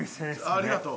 ありがとう。